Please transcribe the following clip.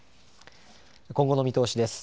今後の見通しです。